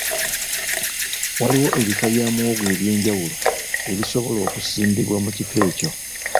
Waliwo ebika bya muwogo eby'enjawulo ebisobola okusimbibwa mu kifo ekyo.